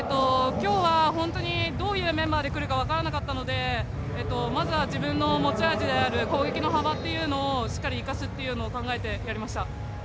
今日は本当にどういうメンバーで来るか分からなかったのでまずは自分の持ち味である攻撃の幅っていうのを生かすことを意識してやりました。